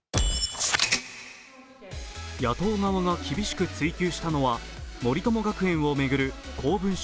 野党側が厳しく追及したのは森友学園を巡る公文書